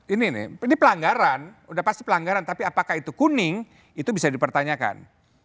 ini nih ini pelanggaran udah pasti pelanggaran tapi apakah itu kuning itu bisa dipertanyakan